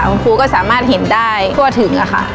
คุณครูก็สามารถเห็นได้ทั่วถึงค่ะ